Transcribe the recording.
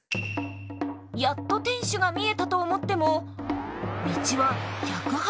やっと天守が見えたと思っても道は１８０度回転。